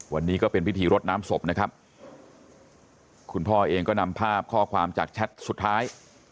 วันนี้ก็เป็นพิธีรดน้ำศพนะครับคุณพ่อเองก็นำภาพข้อความจากแชทสุดท้าย